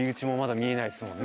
見えないですね。